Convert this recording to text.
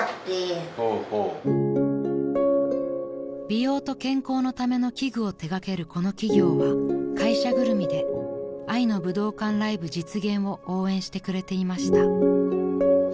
［美容と健康のための器具を手掛けるこの企業は会社ぐるみであいの武道館ライブ実現を応援してくれていました］